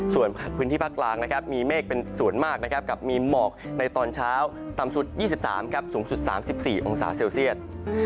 ส่วนพื้นที่ภาคกลางมีเมฆเป็นส่วนมากมีหมอกในตอนเช้าต่ำสุด๒๓องศาเซลเซียต